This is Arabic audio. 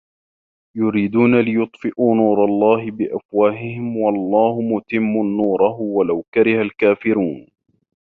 يُريدونَ لِيُطفِئوا نورَ اللَّهِ بِأَفواهِهِم وَاللَّهُ مُتِمُّ نورِهِ وَلَو كَرِهَ الكافِرونَ